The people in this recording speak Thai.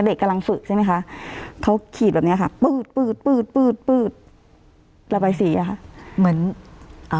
เด็กกำลังฝึกใช่ไหมคะเขาขีดแบบนี้ค่ะปื๊ดระบายสีค่ะ